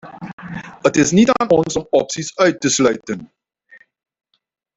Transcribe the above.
Het is niet aan ons om opties uit te sluiten.